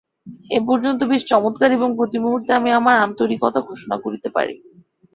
এ পর্যন্ত বেশ চমৎকার এবং প্রতিমুহূর্তে আমি আমার আন্তরিকতা ঘোষণা করিতে পারি।